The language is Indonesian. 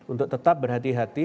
untuk tetap berhati hati